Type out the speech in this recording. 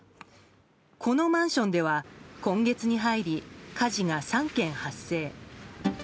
このマンションでは今月に入り火事が３件発生。